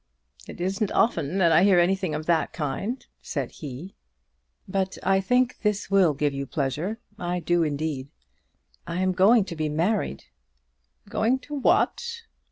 "It isn't often that I hear anything of that kind," said he. "But I think that this will give you pleasure. I do indeed. I am going to be married." "Going to what?"